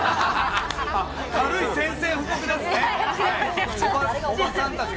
軽い宣戦布告ですね。